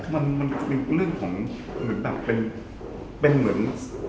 มันคือเรื่องของเป็นเหมือน